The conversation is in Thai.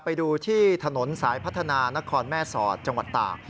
ไปดูที่ถนนสายพัฒนานครแม่สอดจังหวัดตาก